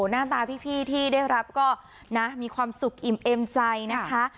หน้าตาพี่ที่ได้รับก็นะมีความสุขอิ่มเอ็มใจนะคะ